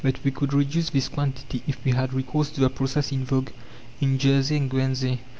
But we could reduce this quantity if we had recourse to the process in vogue in Jersey and Guernsey.